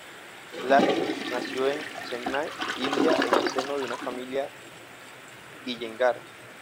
Lakshmi nació en Chennai, India en el seno de una familia Iyengar.